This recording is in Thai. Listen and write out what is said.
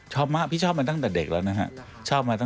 ชอบมากพี่ชอบมาตั้งแต่เด็กแล้ว